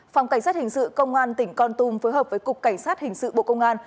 phòng cảnh sát hình sự công an tỉnh con tum phối hợp với cục cảnh sát hình sự bộ công an